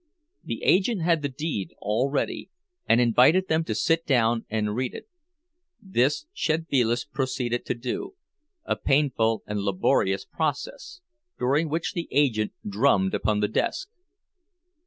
The agent had the deed all ready, and invited them to sit down and read it; this Szedvilas proceeded to do—a painful and laborious process, during which the agent drummed upon the desk.